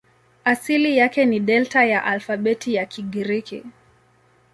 Asili yake ni Delta ya alfabeti ya Kigiriki.